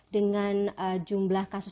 dengan jumlah kasus